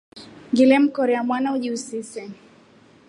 Ngile mkorya mwana uji usise.